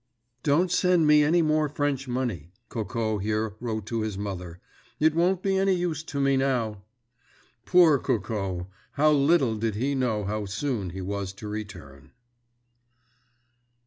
"Don't send me any more French money," Coco here wrote to his mother. "It won't be any use to me now!" Poor Coco! How little did he know how soon he was to return!